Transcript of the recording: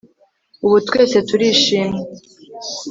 Ubu twese turishimye